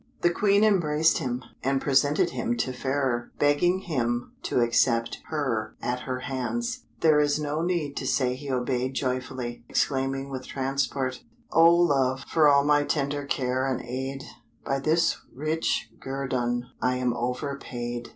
The Queen embraced him, and presented him to Fairer, begging him to accept her at her hands. There is no need to say he obeyed joyfully, exclaiming with transport, "Oh Love! for all my tender care and aid, By this rich guerdon I am overpaid!"